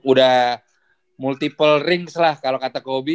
udah multiple rings lah kalo kata kobi